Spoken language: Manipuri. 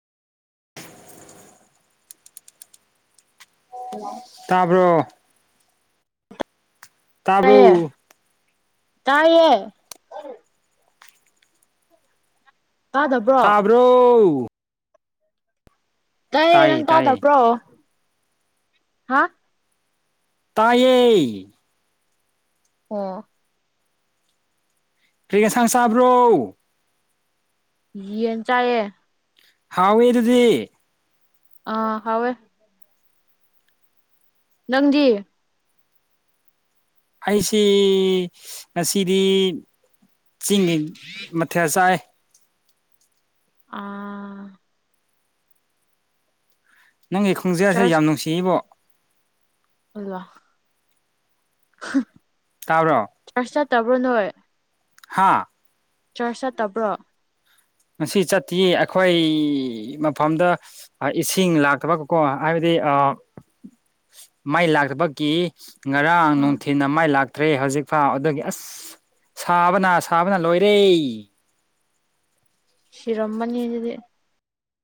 [unintelligible] ꯇꯕ꯭ꯔꯣ ꯇꯥꯏꯌꯦ ꯇꯥꯕ꯭ꯔꯣ ꯇꯥꯏꯌꯦ ꯇꯥꯗꯕ꯭ꯔꯣ ꯕ꯭ꯔꯣ ꯇꯥꯏꯌꯦ ꯅꯪ ꯇꯥꯗꯕ꯭ꯔꯣ ꯍꯥ ꯇꯥꯏꯌꯦ ꯑꯣ ꯀ꯭ꯔꯤꯒ ꯑꯦꯟꯁꯥꯡ ꯆꯥꯕ꯭ꯔꯣ ꯌꯦꯟ ꯆꯥꯏꯌꯦ ꯍꯥꯎꯋꯦ ꯑꯗꯨꯗꯤ ꯑꯥ ꯍꯥꯎꯋꯦ ꯅꯪꯗꯤ ꯑꯩꯁꯤ ꯉꯁꯤꯗꯤ ꯆꯤꯡꯒꯤ ꯃꯊꯦꯜ ꯆꯥꯏ ꯑꯥ ꯅꯪꯒꯤ ꯈꯣꯟꯖꯦꯜꯁꯦ ꯌꯥꯝ ꯅꯨꯡꯁꯤꯕꯣ ꯑꯜꯂ [unintelligible] ꯇꯥꯥꯕ꯭ꯔꯣ ꯆꯥꯔꯁ ꯆꯠꯇꯕ꯭ꯔꯣ ꯅꯣꯏ ꯍꯥꯥ ꯆꯔꯁ ꯆꯠꯇꯕ꯭ꯔꯣ ꯉꯁꯤ ꯆꯠꯇꯌꯦ ꯑꯩꯈꯣꯏ ꯃꯐꯝꯗ ꯏꯁꯤꯡ ꯂꯥꯛꯇꯕꯒꯀꯣ ꯍꯥꯏꯕꯗꯤ ꯑꯥ ꯃꯥꯏ ꯂꯥꯛꯇꯕꯀꯤ ꯉꯔꯥꯡ ꯑꯥ ꯅꯨꯡꯊꯤꯜ ꯃꯥꯏ ꯂꯥꯛꯇ꯭ꯔꯦ ꯍꯧꯖꯤꯛ ꯐꯥꯎ ꯑꯗꯨꯒꯤ ꯑꯁ ꯁꯥꯕꯅ ꯁꯥꯕꯅ ꯂꯣꯏꯔꯦ ꯁꯤꯔꯣꯝꯃꯅꯤ ꯑꯗꯨꯗꯤ